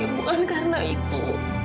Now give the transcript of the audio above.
bukan karena itu